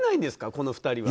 この２人は。